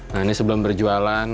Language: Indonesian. nah ini sebelum berjualan